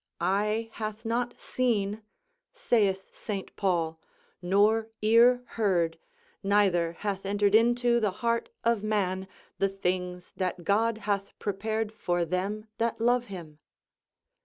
"Eye hath not seen," saith St. Paul, "nor ear heard, neither hath entered into the heart of man, the things that God hath prepared for them that love him."